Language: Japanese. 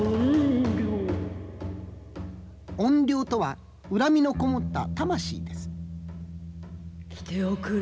怨霊とは恨みのこもった魂です来ておくれ。